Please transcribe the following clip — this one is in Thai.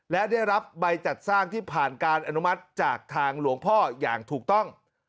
และได้รับใบจัดสร้างที่ผ่านการอนุมัติจากทางหลวงพ่ออย่างถูกต้อง